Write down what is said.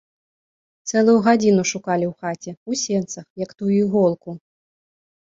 Цэлую гадзіну шукалі ў хаце, у сенцах, як тую іголку.